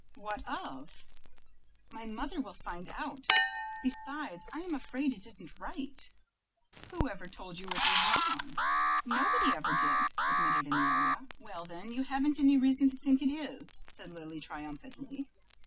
"What of?" "My mother will find out; besides, I am afraid it isn't right." "Who ever told you it was wrong?" "Nobody ever did," admitted Amelia. "Well, then you haven't any reason to think it is," said Lily, triumphantly.